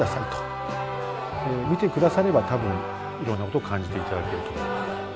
見てくだされば多分いろんなこと感じていただけると思います。